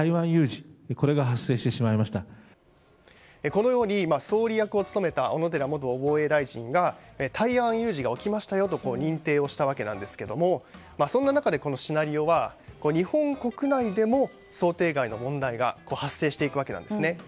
このように総理役を務めた小野寺元防衛大臣が台湾有事が起きましたよと認定をしたわけですがそんな中で、このシナリオは日本国内でも想定外の問題が発生していくわけなんです。